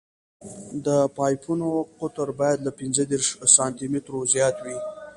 د پایپونو قطر باید له پینځه دېرش سانتي مترو زیات وي